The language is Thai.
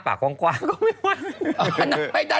ปากกว้างก็ไม่ได้